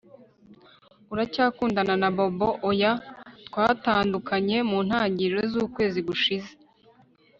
Uracyakundana na Bobo Oya twatandukanye mu ntangiriro zukwezi gushize